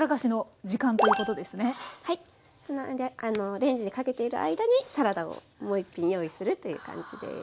レンジにかけている間にサラダをもう一品用意するという感じです。